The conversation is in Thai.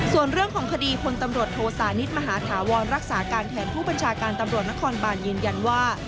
ส่วนเรื่องของคดีพลตำรวจโทสานิทมหาธาวรรักษาการแทนผู้บัญชาการตำรวจนครบานยืนยันว่า